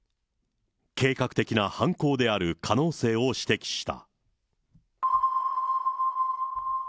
計画的な犯行である可能性を指摘した。